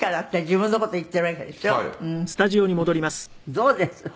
どうです？